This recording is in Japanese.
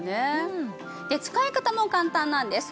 使い方も簡単なんです。